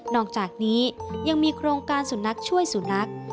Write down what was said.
นอกจากนี้ยังมีโครงการศูนรักษณะช่วยศูนรักษณะ